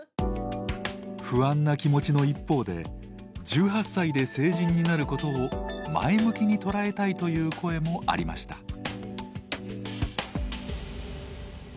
不安な気持ちの一方で１８歳で成人になることを前向きにとらえたいという声もありました。